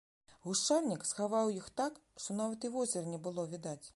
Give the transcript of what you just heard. Гушчарнік схаваў іх так, што нават і возера не было відаць.